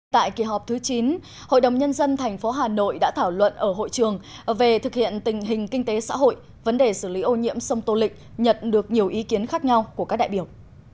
tại kỳ họp thứ chín hội đồng nhân dân tp hà nội đã thảo luận ở hội trường về thực hiện tình hình kinh tế xã hội vấn đề xử lý ô nhiễm sông tô lịch nhận được nhiều ý kiến khác nhau của các đại biểu